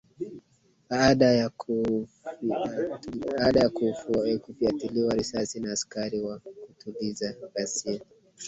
aada ya kufiatuliwa risasi na askari wa kutuliza ghasia